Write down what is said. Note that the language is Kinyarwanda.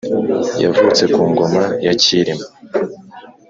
Yavutse Ku ngoma ya Kirima